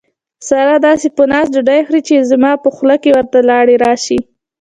ساره داسې په ناز ډوډۍ خوري، چې زما په خوله کې ورته لاړې راشي.